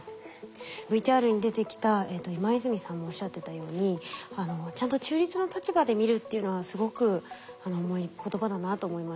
ＶＴＲに出てきた今泉さんもおっしゃってたようにちゃんと中立の立場で見るっていうのはすごく重い言葉だなと思いました。